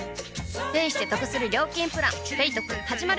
ペイしてトクする料金プラン「ペイトク」始まる！